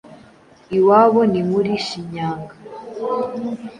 Iwabo ni muri Shinyanga